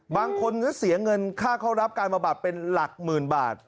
บางคนก็เสียเงินค่าเข้ารับการมาบัดเป็นหลักหมื่นบาท